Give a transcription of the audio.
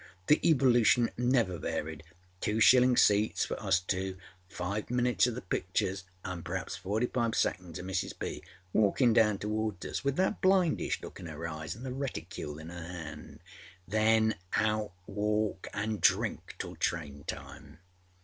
The evolution never varied. Two shilling seats for us two; five minutes oâ the pictures, anâ perhaps forty five seconds oâ Mrs. B. walking down towards us with that blindish look in her eyes anâ the reticule in her hand. Then out walkâand drink till train time.